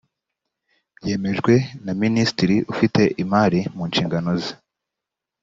byemejwe na minisitiri ufite imari mu nshingano ze